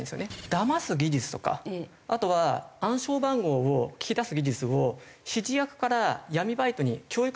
だます技術とかあとは暗証番号を聞き出す技術を指示役から闇バイトに教育しないといけないですよね。